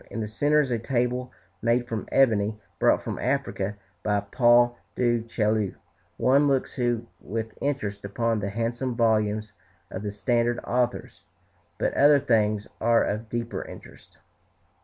In the centre is a table made from ebony, brought from Africa by Paul du Chaillu. One looks with interest upon the handsome volumes of the standard authors, but other things are of deeper interest.